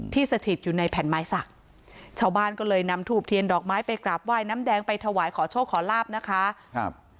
สถิตอยู่ในแผ่นไม้สักชาวบ้านก็เลยนำถูบเทียนดอกไม้ไปกราบไหว้น้ำแดงไปถวายขอโชคขอลาบนะคะครับ